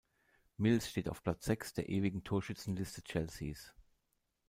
Mills steht auf Platz sechs der ewigen Torschützenliste Chelseas.